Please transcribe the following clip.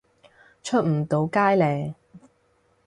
出唔到街呢